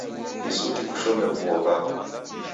Ni suti kushome vuo vako.